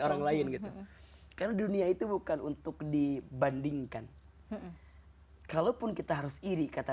orang lain gitu karena dunia itu bukan untuk dibandingkan kalaupun kita harus iri kata